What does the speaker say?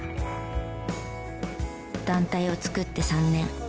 団体を作って３年。